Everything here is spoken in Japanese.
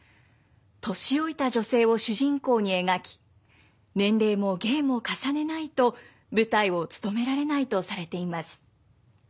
年老いた女性を主人公に描き年齢も芸も重ねないと舞台をつとめられないとされています。